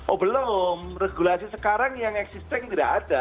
oh belum regulasi sekarang yang existing tidak ada